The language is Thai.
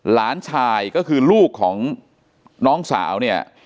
หลานชายก็คือลูกของน้องสาวเนี่ย